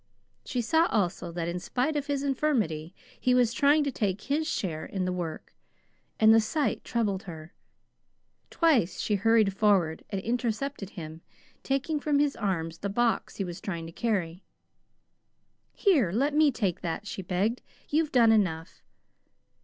She saw, also, that in spite of his infirmity, he was trying to take his share in the work; and the sight troubled her. Twice she hurried forward and intercepted him, taking from his arms the box he was trying to carry. "Here, let me take that," she begged. "You've done enough."